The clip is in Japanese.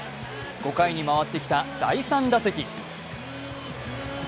５回に回ってきた第３打席。